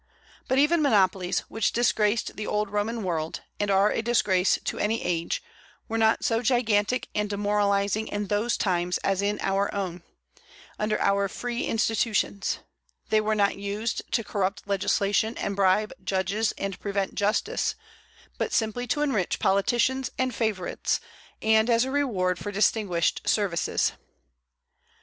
But even monopolies, which disgraced the old Roman world, and are a disgrace to any age, were not so gigantic and demoralizing in those times as in our own, under our free institutions; they were not used to corrupt legislation and bribe judges and prevent justice, but simply to enrich politicians and favorites, and as a reward for distinguished services.